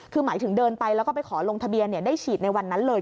คือหมายถึงเดินไปแล้วก็ไปขอลงทะเบียนได้ฉีดในวันนั้นเลย